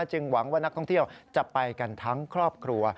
หวังว่านักท่องเที่ยวจะไปกันทั้งครอบครัว